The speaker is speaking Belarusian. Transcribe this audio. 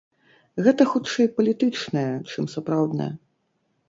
Гэта хутчэй палітычнае, чым сапраўднае.